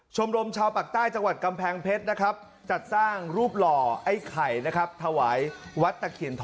ชมรมชาวปากใต้จังหวัดกำแพงเพชรนะครับจัดสร้างรูปหล่อไอเหน่